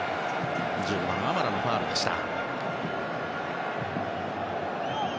１５番、アマラのファウルでした。